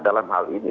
dalam hal ini